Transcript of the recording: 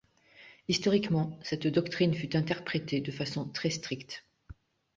Historiquement, cette doctrine fut interprétée de façon très stricte.